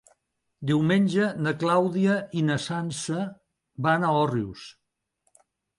Diumenge na Clàudia i na Sança van a Òrrius.